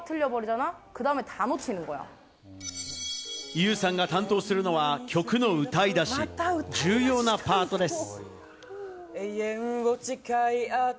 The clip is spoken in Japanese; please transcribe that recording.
ユウさんが担当するのは曲の歌い出し、重要なパートです。